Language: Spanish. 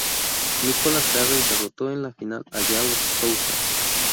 Nicolás Jarry derroto en la final a João Souza.